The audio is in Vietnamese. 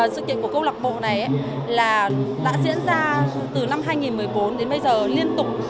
sự kiện của câu lạc bộ này đã diễn ra từ năm hai nghìn một mươi bốn đến bây giờ liên tục